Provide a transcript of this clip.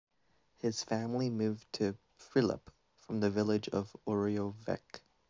His family moved to Prilep from village of Oreovec.